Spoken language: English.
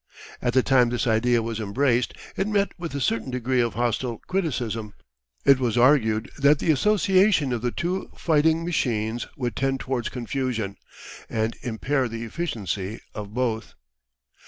At the time this idea was embraced it met with a certain degree of hostile criticism: it was argued that the association of the two fighting, machines would tend towards confusion, and impair the efficiency of both.